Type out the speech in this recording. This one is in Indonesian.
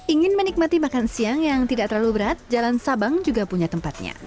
ingin menikmati makan siang yang tidak terlalu berat jalan sabang juga punya tempatnya